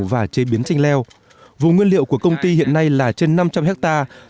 và chế biến chanh leo vùng nguyên liệu của công ty hiện nay là trên năm trăm linh hectare